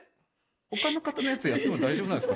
ほかの方のやつ、やっても大丈夫なんですか？